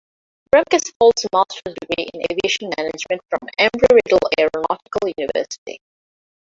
Remkes holdes a master's degree in aviation management from Embry-Riddle Aeronautical University.